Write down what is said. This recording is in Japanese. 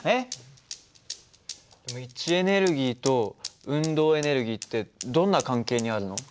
でも位置エネルギーと運動エネルギーってどんな関係にあるの？